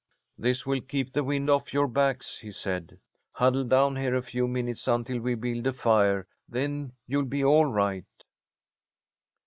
"This will keep the wind off your backs," he said. "Huddle down here a few minutes until we build a fire. Then you'll be all right."